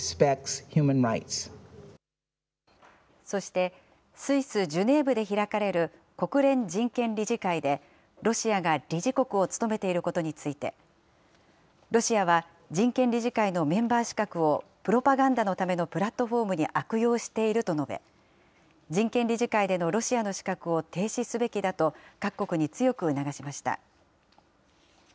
そして、スイス・ジュネーブで開かれる国連人権理事会で、ロシアが理事国を務めていることについて、ロシアは人権理事会のメンバー資格を、プロパガンダのためのプラットフォームに悪用していると述べ、人権理事会でのロシアの資格を停止すべきだと、各国に強く促しました。